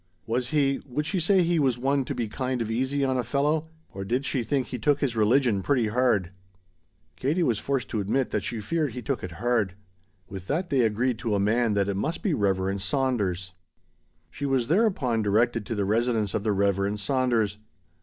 Was he would she say he was one to be kind of easy on a fellow, or did she think he took his religion pretty hard? Katie was forced to admit that she feared he took it hard. With that they were agreed to a man that it must be the Reverend Saunders. She was thereupon directed to the residence of the Reverend Saunders.